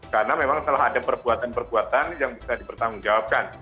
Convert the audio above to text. karena memang telah ada perbuatan perbuatan yang bisa dipertanggungjawabkan